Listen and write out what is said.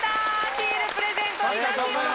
シールプレゼントいたします。